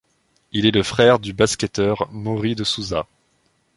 Il est le frère du basketteur Maury de Souza.